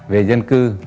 về dân cư